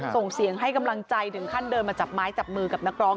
ส่งเสียงให้กำลังใจถึงขั้นเดินมาจับไม้จับมือกับนักร้อง